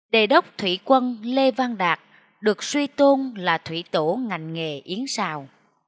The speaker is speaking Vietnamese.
đề đốc thủy quân lê văn đạt được suy tôn là thủy tổ ngành nghề yến xào